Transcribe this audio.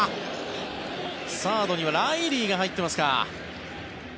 サードにはライリーが入っていますか。